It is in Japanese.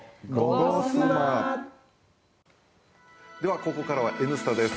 ここからは「Ｎスタ」です。